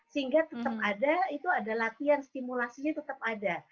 sehingga tetap ada latihan stimulasinya tetap ada